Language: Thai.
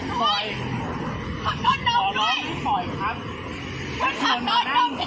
คุณไปพี่ชายฉันทำอะไรกัน